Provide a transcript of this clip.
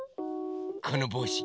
このぼうし。